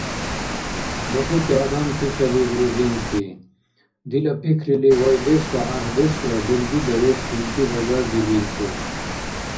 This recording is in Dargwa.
Духути адамти саби грузинти. Дила пикрили, вайдешра гӏяхӏдешра белгидарес илди бажардибиркур.